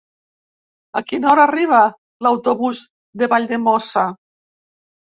A quina hora arriba l'autobús de Valldemossa?